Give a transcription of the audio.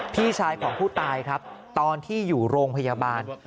พี่ชายของผู้ตายครับตอนที่อยู่โรงพยาบาล